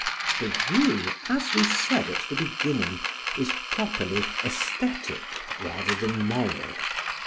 The view, as we said at the beginning, is properly aesthetic rather than moral.